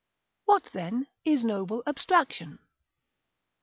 What, then, is noble abstraction?